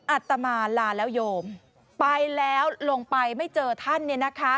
อัตมาลาเลาโยมไปแล้วลงไปไม่เจอท่าน